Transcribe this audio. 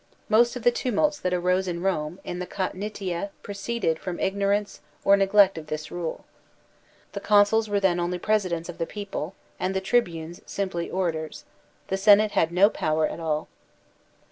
Most of the tumults that arose in Rome in the cotnitia proceeded from ignorance or neglect of this rule. The consuls were then only presidents of the people and the tribunes simple orators; the Senate had no power at all.